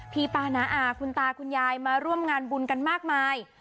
ป้าน้าอาคุณตาคุณยายมาร่วมงานบุญกันมากมาย